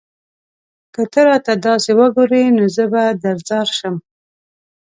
که ته راته داسې وگورې؛ نو زه به درځار شم